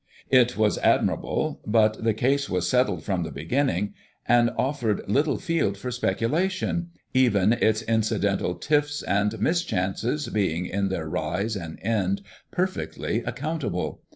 It was admirable, but the case was settled from the beginning, and offered little field for speculation, even its incidental tiffs and mischances being in their rise and end perfectly accountable.